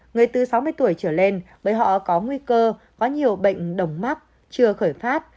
người từ sáu mươi tuổi trở lên bởi họ có nguy cơ có nhiều bệnh đồng mắc chưa khởi phát